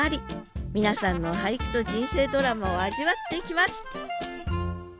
皆さんの俳句と人生ドラマを味わっていきます